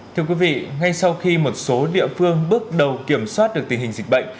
thưa quý vị ngay sau khi một số địa phương bước đầu kiểm soát được tình hình dịch bệnh